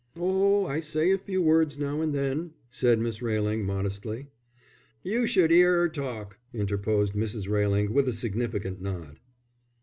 "Oh, I say a few words now and then," said Miss Railing, modestly. "You should hear 'er talk," interposed Mrs. Railing, with a significant nod.